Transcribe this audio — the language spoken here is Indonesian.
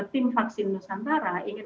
tim vaksin nusantara ingin